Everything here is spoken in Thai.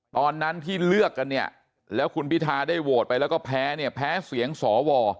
ตอนนั้นที่เลือกแล้วคุณพิทาได้โหวตไปแล้วก็แพ้เสียงสว